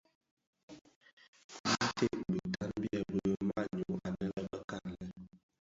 Binted bitan byèbi manyu anë bekan lè.